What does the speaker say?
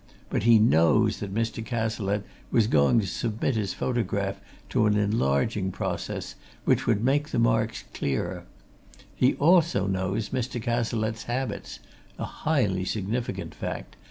But he knows that Mr. Cazalette was going to submit his photograph to an enlarging process, which would make the marks clearer; he also knows Mr. Cazalette's habits (a highly significant fact!)